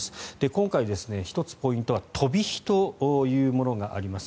今回、１つ、ポイントは飛び火というものがあります。